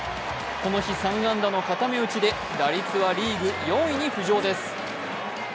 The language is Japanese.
この日、３安打の固め打ちで打率はリーグ４位に浮上です。